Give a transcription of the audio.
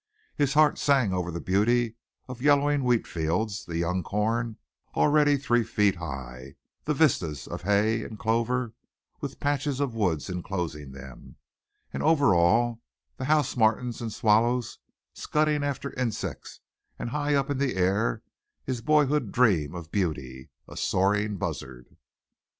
His heart sang over the beauty of yellowing wheatfields, the young corn, already three feet high, the vistas of hay and clover, with patches of woods enclosing them, and over all, house martens and swallows scudding after insects and high up in the air his boyhood dream of beauty, a soaring buzzard.